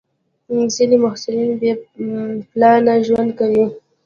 ځینې محصلین بې پلانه ژوند کوي.